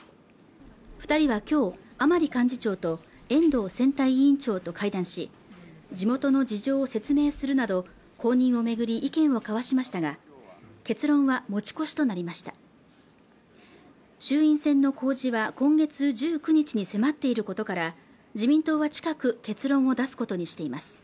二人は今日甘利幹事長と遠藤選対委員長と会談し地元の事情を説明するなど公認を巡り意見を交わしましたが結論は持ち越しとなりました衆院選の公示は今月１９日に迫っていることから自民党は近く結論を出すことにしています